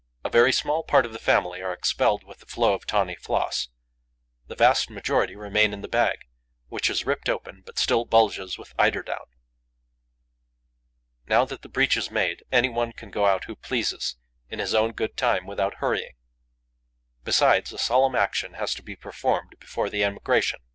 A very small part of the family are expelled with the flow of tawny floss; the vast majority remain in the bag, which is ripped open, but still bulges with eiderdown. Now that the breach is made, any one can go out who pleases, in his own good time, without hurrying. Besides, a solemn action has to be performed before the emigration.